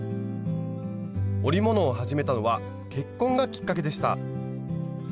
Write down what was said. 織物を始めたのは結婚がきっかけでした。